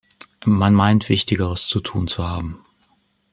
Man meint, wichtigeres zu tun zu haben.